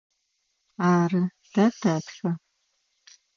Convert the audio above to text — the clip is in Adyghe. Ары, тэ тэтхэ.